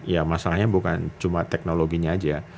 ya masalahnya bukan cuma teknologinya aja